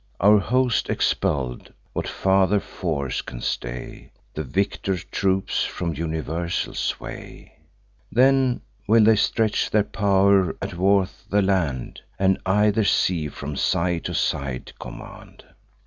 Our host expell'd, what farther force can stay The victor troops from universal sway? Then will they stretch their pow'r athwart the land, And either sea from side to side command.